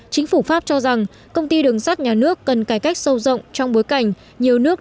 chính phủ pháp cho rằng công ty đường sắt nhà nước cần cải cách sâu rộng trong bối cảnh nhiều nước